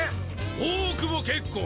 大久保結構！